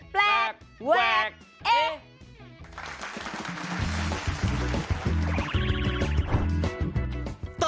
แปลกแวกเอ๊ะ